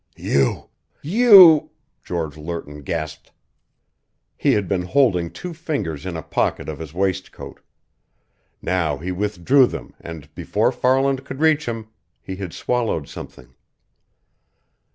"You you " George Lerton gasped. He had been holding two fingers in a pocket of his waistcoat. Now he withdrew them and, before Farland could reach him, he had swallowed something.